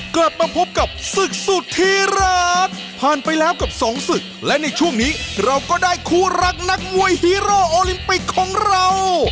กลับมาพบกับศึกสุดที่รักผ่านไปแล้วกับสองศึกและในช่วงนี้เราก็ได้คู่รักนักมวยฮีโร่โอลิมปิกของเรา